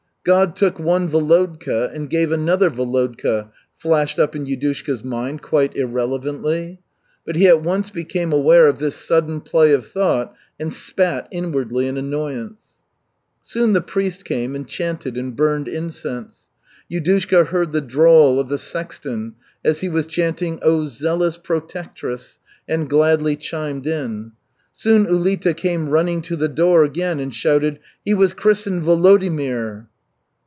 "God took one Volodka and gave another Volodka," flashed up in Yudushka's mind quite irrelevantly; but he at once became aware of this sudden play of thought and spat inwardly in annoyance. Soon the priest came and chanted and burned incense. Yudushka heard the drawl of the sexton as he was chanting, "Oh, Zealous Protectress!" and gladly chimed in. Soon Ulita came running to the door again and shouted, "He was christened Volodimir!"